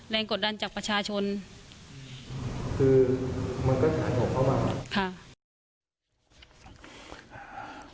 แรงกดดันจากประชาชนคือมันก็ใช้ของเขามาค่ะ